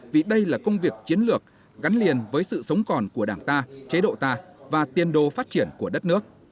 vì đây là công việc chiến lược gắn liền với sự sống còn của đảng ta chế độ ta và tiên đô phát triển của đất nước